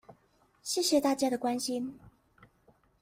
謝謝大家關心